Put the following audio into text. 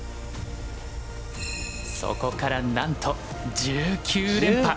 そこからなんと１９連覇！